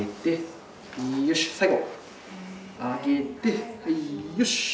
最後上げてはいよし！